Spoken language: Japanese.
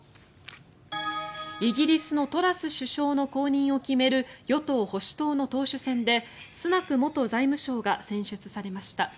イギリスのトラス首相の後任を決める与党・保守党の党首選でスナク元財務相が選出されました。